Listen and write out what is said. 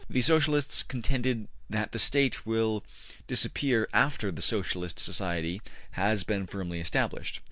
The Socialists contended that the State will disappear after the Socialist society has been firmly established.